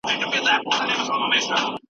دا عادت ډېر اسانه دی.